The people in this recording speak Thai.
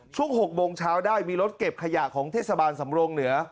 ช่วง๖โมงเช้าได้มีรถเก็บขยะของเทศบาลสำรงเหนือ